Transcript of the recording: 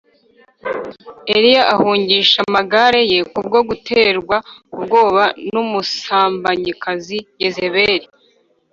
, Eliya ahungisha amagara ye kubwo guterwa ubwoba n’umusambanyikazi Yezebeli